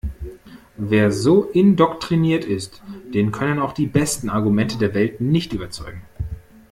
Wer so indoktriniert ist, den können auch die besten Argumente der Welt nicht überzeugen.